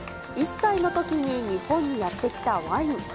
１歳のときに日本にやって来たワイン。